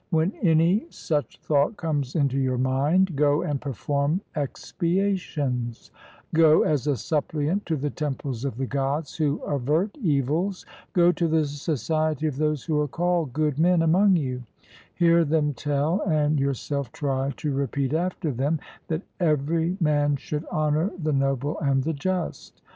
When any such thought comes into your mind, go and perform expiations, go as a suppliant to the temples of the Gods who avert evils, go to the society of those who are called good men among you; hear them tell and yourself try to repeat after them, that every man should honour the noble and the just.